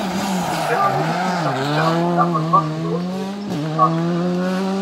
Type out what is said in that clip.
Wenn man die richtigen Kontakte hat, darf man kostenlos in der Business-Class fliegen.